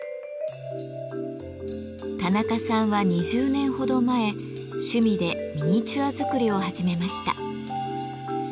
田中さんは２０年ほど前趣味でミニチュア作りを始めました。